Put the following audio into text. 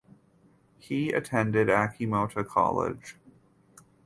He attended Achimota College.